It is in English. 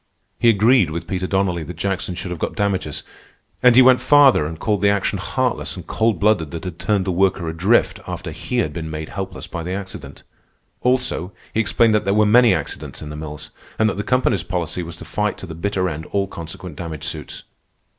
He agreed with Peter Donnelly that Jackson should have got damages, and he went farther and called the action heartless and cold blooded that had turned the worker adrift after he had been made helpless by the accident. Also, he explained that there were many accidents in the mills, and that the company's policy was to fight to the bitter end all consequent damage suits.